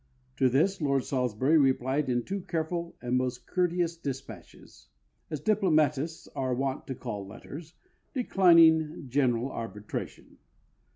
To this Lord Salisbur}' replied in two careful and most courteous dispatches (as diplomatists are wont to call letters), declining general arbitration.